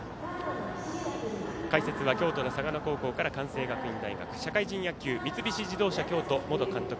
解説は京都の嵯峨野高校から関西学院大学社会人野球三菱自動車京都元監督